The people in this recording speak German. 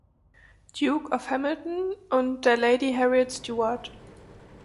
Duke of Hamilton und der Lady Harriet Stewart.